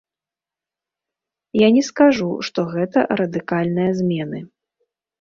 Я не скажу, што гэта радыкальныя змены.